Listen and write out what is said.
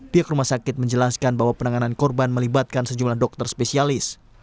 pihak rumah sakit menjelaskan bahwa penanganan korban melibatkan sejumlah dokter spesialis